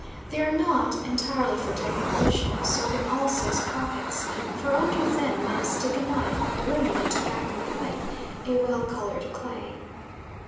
They are not entirely for decoration, serving also as pockets, for under them men stick a knife, and women a tobacco pipe, a well coloured clay.